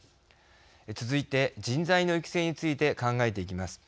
続いて人材の育成について考えていきます。